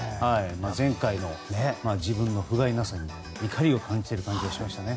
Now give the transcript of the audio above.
前回の自分のふがいなさに怒りを感じている感じもしましたね。